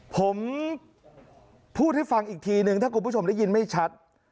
ผมพูดให้ฟังอีกทีนึงถ้าคุณผู้ชมได้ยินไม่ชัด